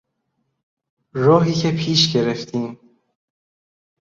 راهی که پیش گرفتیم